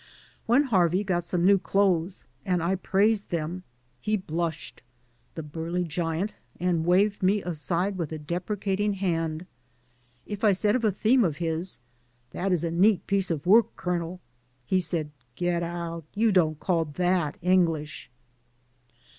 When Harvey got some new clothes and I praised them he blushed (the burly giant) and waved me aside with a deprecating hand. If I said of a theme of his, '^That is a neat piece of work, colonel," he said, "Get out, you don't call that English.'